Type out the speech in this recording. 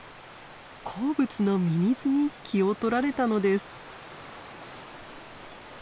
好物のミミズに気を取られたのです。